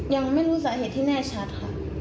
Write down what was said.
ยังไม่รู้สาเหตุที่แน่ชัดค่ะ